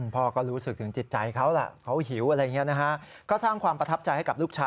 พ่อก็รู้สึกถึงจิตใจเขาแหละเขาหิวอะไรอย่างนี้นะฮะก็สร้างความประทับใจให้กับลูกชาย